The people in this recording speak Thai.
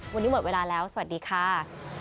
วันนี้หมดเวลาแล้วสวัสดีค่ะ